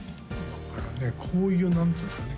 これはねこういう何ていうんですかね